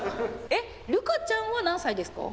えっ瑠花ちゃんは何歳ですか？